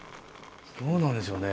どうなんでしょうね